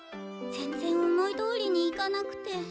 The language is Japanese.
ぜんぜん思いどおりにいかなくて。